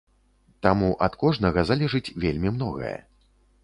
Таму ад кожнага залежыць вельмі многае.